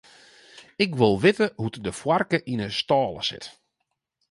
Ik wol witte hoe't de foarke yn 'e stâle sit.